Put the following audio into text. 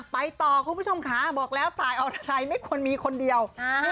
ไปต่อคุณผู้ชมค่ะบอกแล้วตายเอาอะไรไม่ควรมีคนเดียว